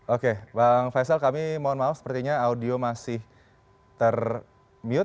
oke bang faisal kami mohon maaf sepertinya audio masih termute